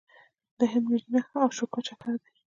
د هند ملي نښه اشوکا چکر دی.